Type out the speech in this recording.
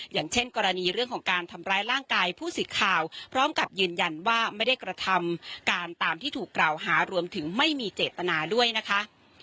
อย่างเช่นกรณีเรื่องของการทำร้ายร่างกายผู้สิทธิ์ข่าวพร้อมกับยืนยันว่าไม่ได้กระทำการตามที่ถูกกล่าวหารวมถึงไม่มีเจตนาด้วยนะคะ